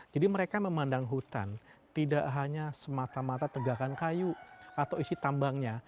jadi mereka memandang hutan tidak hanya semata mata tegakan kayu atau isi tambangnya